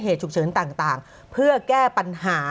ฉุกเฉินต่างเพื่อแก้ปัญหา